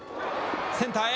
センターへ。